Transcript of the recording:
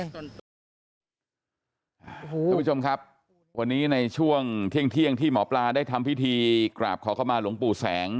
คุณผู้ชมครับวันนี้ในช่วงเที่ยงที่หมอปลาได้ทำพิธีกราบขอเข้ามาหลวงปู่แสง